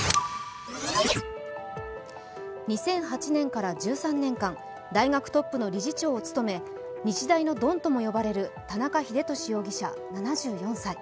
２００８年から１３年間、大学トップの理事長を務め日大のドンとも呼ばれる田中英寿容疑者。